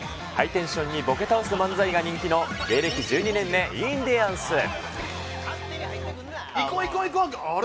ハイテンションにボケ倒す漫才が人気の芸歴１２年目、インディアンス。